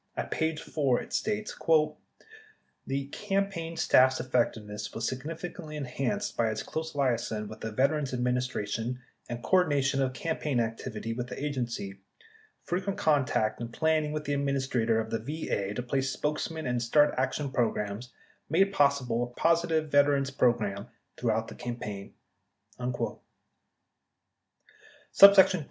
At page 4 it states : The campaign staff's effectiveness was significantly en hanced by its close liaison with the Veterans' Administration and cordination of campaign activity with the agency. Fre quent contact and planning with the Administrator of the VA to place spokesmen and start action programs made pos sible a positive veterans program throughout the campaign. 59 * 2.